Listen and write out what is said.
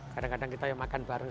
kadang kadang kita yang makan bareng